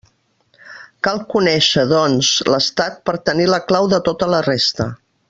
Cal conèixer, doncs, l'estat per a tenir la clau de tota la resta.